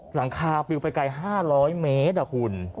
หลังคาปลิวไปไกล๕๐๐เม็ดอ่ะคุณ